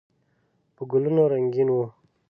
په ګلونو رنګین و.